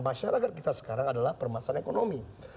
masyarakat kita sekarang adalah permasalahan ekonomi